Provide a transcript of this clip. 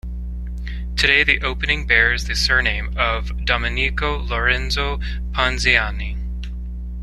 Today the opening bears the surname of Domenico Lorenzo Ponziani.